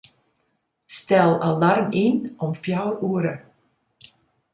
Stel alarm yn om fjouwer oere.